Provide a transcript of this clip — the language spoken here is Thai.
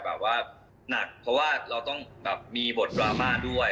เพราะว่าเราต้องมีบทราบ่าด้วย